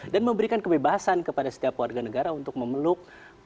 dan memberikan kebebasan kepada setiap warga negara untuk memeluk